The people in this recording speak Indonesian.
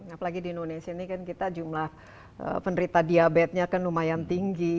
apalagi di indonesia ini kan kita jumlah penderita diabetesnya kan lumayan tinggi